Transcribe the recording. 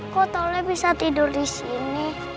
kok tolong bisa tidur disini